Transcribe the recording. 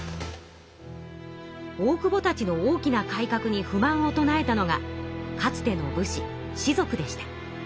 大久保たちの大きな改革に不満を唱えたのがかつての武士士族でした。